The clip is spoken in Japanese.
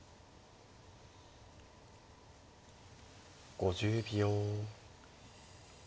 ５０秒。